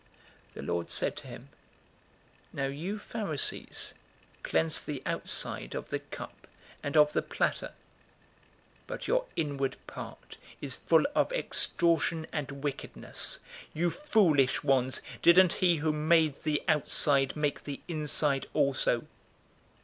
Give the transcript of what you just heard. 011:039 The Lord said to him, "Now you Pharisees cleanse the outside of the cup and of the platter, but your inward part is full of extortion and wickedness. 011:040 You foolish ones, didn't he who made the outside make the inside also?